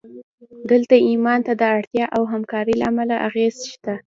دلته ایمان ته د اړتیا او همکارۍ له امله اغېز شته